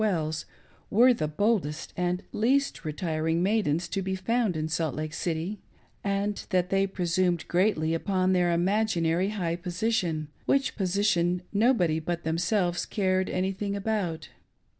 Wells were the boldest and least retiring maidens to be found in Salt Lake City, and that they presumed greatly upon their imaginary high posi tion ; which position nobody but themselves cared anything about.